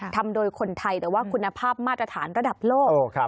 ทำโดยคนไทยแต่ว่าคุณภาพมาตรฐานระดับโลก